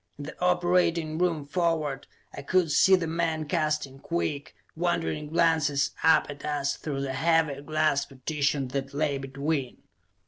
In the operating room forward, I could see the men casting quick, wondering glances up at us through the heavy glass partition that lay between.